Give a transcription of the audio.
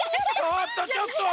ちょっとちょっと！